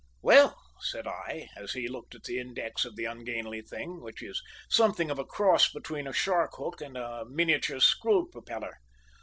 "Well," said I, as he looked at the index of the ungainly thing, which is something of a cross between a shark hook and a miniature screw propeller.